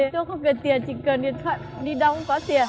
tôi không cần tiền chỉ cần điện thoại đi đâu cũng có tiền